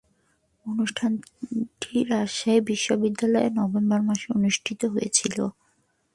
অনুষ্ঠানটি রাজশাহী বিশ্বনিদ্যালয়ে নভেম্বর মাসে অনুষ্ঠিত হয়েছিলো।